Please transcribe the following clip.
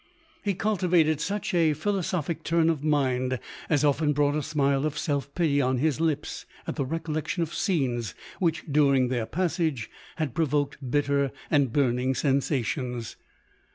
He cultivated such a philosophic turn of mind as often brought a smile of self pity on his lips, at the recollection of scenes which, during their passage, had provoked bitter and burning sen sations.